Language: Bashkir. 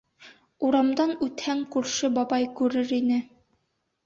Урамдан үтһәң, күрше бабай күрер ине.